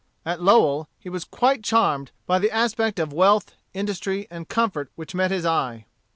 At Lowell, he was quite charmed by the aspect of wealth, industry, and comfort which met his eye.